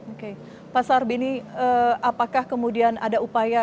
oke pak sarbini apakah kemudian ada upaya